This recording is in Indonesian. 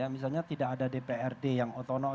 misalnya tidak ada dprd yang otonom